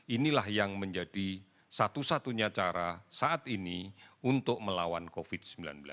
inilah yang menjadi satu satunya cara saat ini untuk melawan covid sembilan belas